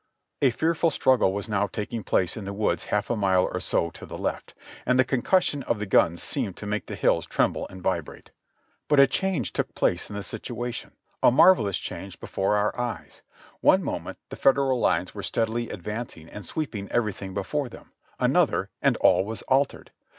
A fearful struggle was now taking place in the woods half a mile or so to the left, and the concussion of the guns seemed to make the hills tremble and vibrate. But a change took place in the situation, a marvelous change before our eyes; one moment the Federal lines were steadily ad vancing and sweeping everything before them, another, and all was altered.